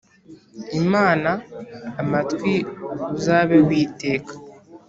Imana amatwi uzabeho iteka